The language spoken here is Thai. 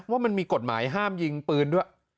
ว่ามันมีกฎหมายห้ามยิงปืนด้วย